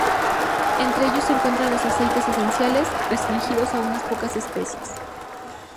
Entre ellos se cuentan los aceites esenciales, restringidos a unas pocas especies.